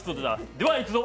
ではいくぞ